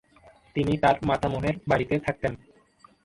তিনি তার মাতামহের বাড়িতে থাকতেন ।